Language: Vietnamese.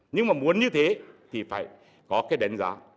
nhưng mà muốn như thế thì phải có cái đánh giá